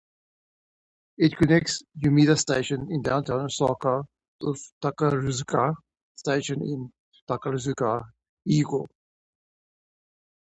It connects Umeda Station in downtown Osaka with Takarazuka Station in Takarazuka, Hyogo.